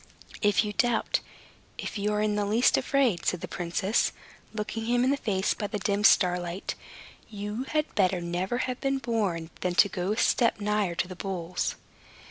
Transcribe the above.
"If you doubt, if you are in the least afraid," said the princess, looking him in the face by the dim starlight, "you had better never have been born than to go a step nigher to the bulls."